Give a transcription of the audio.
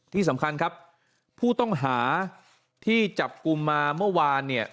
ที่สำคัญครับผู้ต้องหาที่จับกลุ่มมาเมื่อวานเนี่ย